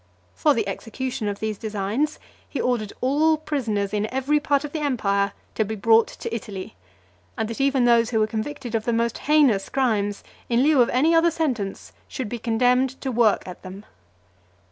For the execution of these designs, he ordered all prisoners, in every part of the empire, to be brought to Italy; and that even those who were convicted of the most heinous crimes, in lieu of any other sentence, should be condemned to work at them.